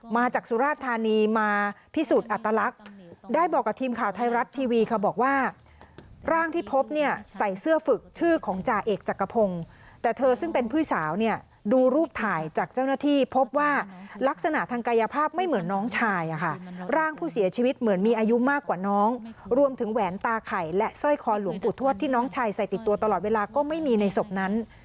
มาจากสุราชธานีมาพิสูจน์อัตลักษณ์ได้บอกกับทีมข่าวไทยรัฐทีวีค่ะบอกว่าร่างที่พบเนี่ยใส่เสื้อฝึกชื่อของจ่าเอกจากกระพงภูมิแต่เธอซึ่งเป็นผู้สาวเนี่ยดูรูปถ่ายจากเจ้าหน้าที่พบว่ารักษณะทางกายภาพไม่เหมือนน้องชายอ่ะค่ะร่างผู้เสียชีวิตเหมือนมีอายุมากกว่าน้องรวมถึงแหวน